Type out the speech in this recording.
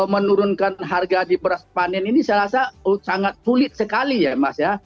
menurunkan harga di beras panen ini saya rasa sangat sulit sekali ya mas ya